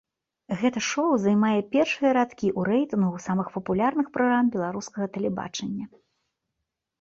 Гэта шоу займае першыя радкі ў рэйтынгу самых папулярных праграм беларускага тэлебачання.